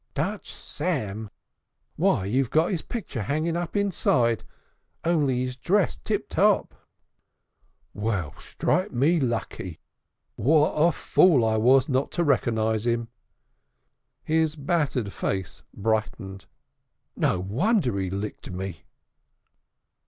"Dutch Sam! Why, we've got his picter hanging up inside, only he's naked to the waist." "Well, strike me lucky! What a fool I was not to rekkernize 'im!" His battered face brightened up. "No wonder he licked me!"